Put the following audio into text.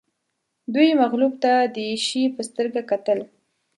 دوی مغلوب ته د شي په سترګه کتل